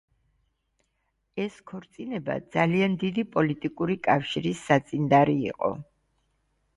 ეს ქორწინება ძალიან დიდი პოლიტიკური კავშირის საწინდარი იყო.